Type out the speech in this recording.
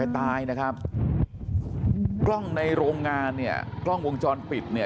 ตายนะครับกล้องในโรงงานเนี่ยกล้องวงจรปิดเนี่ย